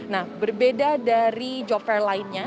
nah berbeda dari job fair lainnya